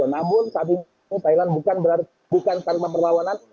namun saat ini thailand bukan tanpa perlawanan